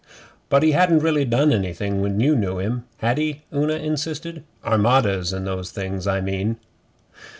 'But he hadn't really done anything when you knew him, had he?' Una insisted. 'Armadas and those things, I mean.